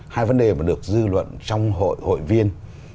hai vấn đề mà được dư luận trong hội hội viên